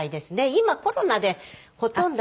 今コロナでほとんど。